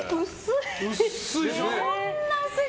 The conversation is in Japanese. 薄い！